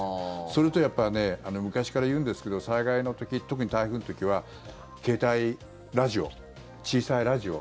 それと、やっぱり昔からいうんですけど災害の時、特に台風の時は携帯ラジオ、小さいラジオ。